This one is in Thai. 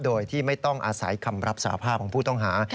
โดยที่ไม่ต้องอาศัยคำรับสาภาพของผู้ต้องหา